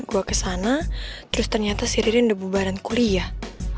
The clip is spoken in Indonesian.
aku ke sana terus ternyata ririn udah bubaran kuliah